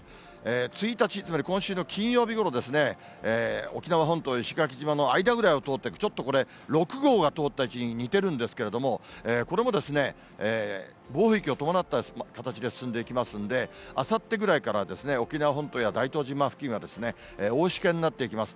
１日、つまり、今週の金曜日ごろですね、沖縄本島、石垣島の間ぐらいを通っていく、ちょっとこれ、６号が通ったに似てるんですけれども、これも暴風域を伴った形で進んでいきますんで、あさってぐらいからは、沖縄本島や大東島付近は、大しけになっていきます。